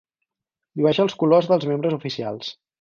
Llueix els colors dels membres oficials.